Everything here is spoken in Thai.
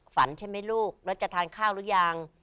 ฝันใช่ไหมลูกเราจะทานข้าวรึยัง